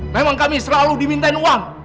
memang kami selalu dimintain uang